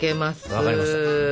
分かりました。